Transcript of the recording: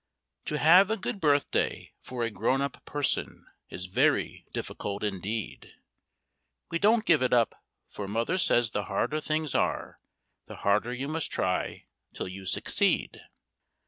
To have a good birthday for a grown up person is very difficult indeed; We don't give it up, for Mother says the harder things are, the harder you must try till you succeed.